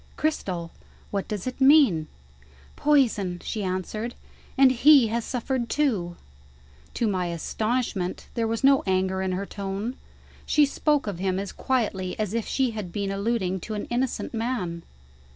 "Cristel! what does it mean?" "Poison," she answered. "And he has suffered too." To my astonishment, there was no anger in her tone: she spoke of him as quietly as if she had been alluding to an innocent man.